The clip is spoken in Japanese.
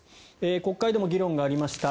国会でも議論がありました。